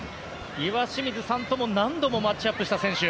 岩清水さんとも何度もマッチアップした選手。